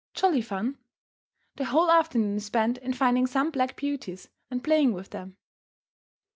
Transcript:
Jolly fun! The whole afternoon is spent in finding some black beauties and playing with them.